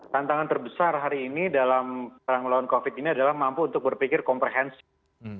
tantangan terbesar hari ini dalam perang melawan covid ini adalah mampu untuk berpikir komprehensif